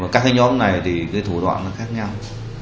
các nhóm này thì thủ đoạn khác nhau